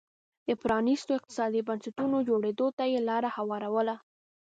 د پرانیستو اقتصادي بنسټونو جوړېدو ته یې لار هواروله